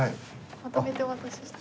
まとめてお渡しして。